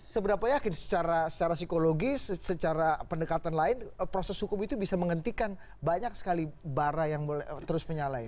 seberapa yakin secara psikologis secara pendekatan lain proses hukum itu bisa menghentikan banyak sekali bara yang terus menyalai